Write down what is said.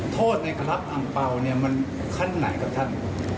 โทษในคำถักอังเปล่ามันขั้นไหนกับท่าน